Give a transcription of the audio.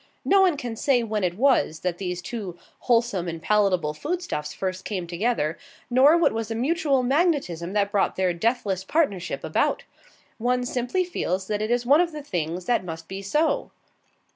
No one can say when it was that these two wholesome and palatable food stuffs first came together, nor what was the mutual magnetism that brought their deathless partnership about. One simply feels that it is one of the things that must be so.